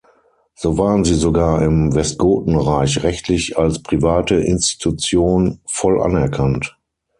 So waren sie sogar im Westgotenreich rechtlich als private Institution voll anerkannt.